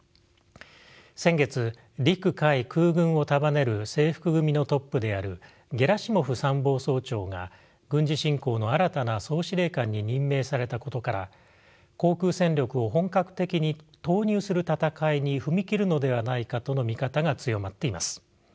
先月陸海空軍を束ねる制服組のトップであるゲラシモフ参謀総長が軍事侵攻の新たな総司令官に任命されたことから航空戦力を本格的に投入する戦いに踏み切るのではないかとの見方が強まっています。